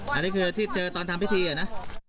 อันนี้คือที่เจอตอนทำพิธีนะ